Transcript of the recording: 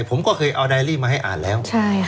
ผมก็เคยเอาไดรี่มาให้อ่านแล้ว